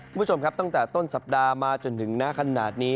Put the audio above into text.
คุณผู้ชมครับตั้งแต่ต้นสัปดาห์มาจนถึงหน้าขนาดนี้